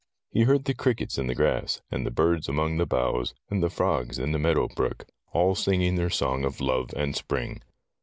He heard the crickets in the grass, and the birds among the boughs, and the frogs in the meadow brook, all singing their song of love and spring.